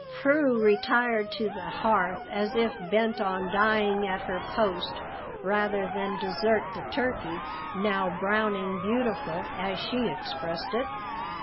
Prue retired to the hearth as if bent on dying at her post rather than desert the turkey, now "browning beautiful," as she expressed it.